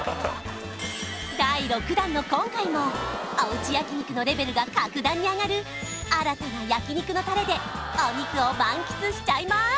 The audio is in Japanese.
第６弾の今回もおうち焼肉のレベルが格段に上がる新たな焼肉のタレでお肉を満喫しちゃいます！